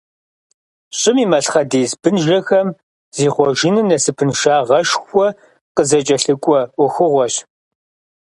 ЩӀым и малъхъэдис бынжэхэм захъуэжыныр насыпыншагъэшхуэ къызыкӀэлъыкӀуэ Ӏуэхугъуэщ.